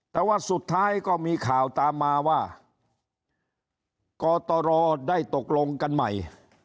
แต่ว่าสุดท้ายก็มีข่าวตามมาว่ากตรได้ตกลงกันใหม่